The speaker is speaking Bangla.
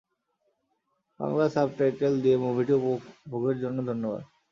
বাংলা সাবটাইটেল দিয়ে মুভিটি উপভোগের জন্য ধন্যবাদ।